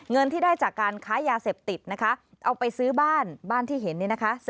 เงินที่ได้จากการค้ายาเสพติดนะคะเอาไปซื้อบ้านบ้านที่เห็นนี่นะคะ